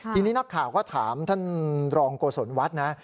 ทีนี้นักข่าวก็ถามท่านรองโกศลวัฒน์นะ